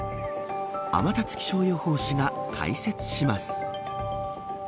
天達気象予報士が解説します。